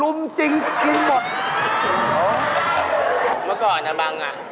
กูจะขายของนี่